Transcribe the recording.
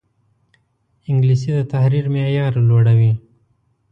انګلیسي د تحریر معیار لوړوي